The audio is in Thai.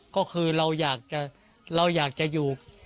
ก็คือเราอยากจะอยู่